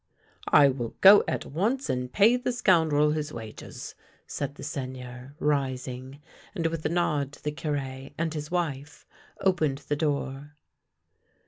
" I will go at once and pay the scoundrel his wages," said the Seigneur, rising, and with a nod to the Cure and his wife opened the door.